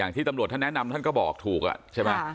อย่างที่ตำรวจค่านแนะนำค่านก็บอกถูกอ่ะใช่เปล่า